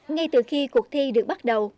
ngay từ khi cuộc thi được bắt đầu